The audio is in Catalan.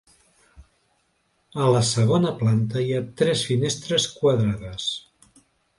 A la segona planta hi ha tres finestres quadrades.